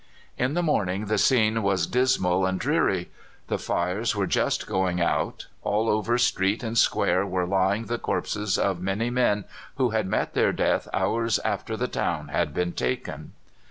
"In the morning the scene was dismal and dreary. The fires were just going out; all over street and square were lying the corpses of many men who had met their death hours after the town had been taken.